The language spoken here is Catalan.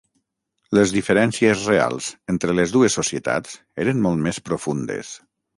Les diferències reals entre les dues societats eren molt més profundes.